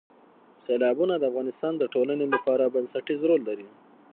سیلابونه د افغانستان د ټولنې لپاره بنسټيز رول لري.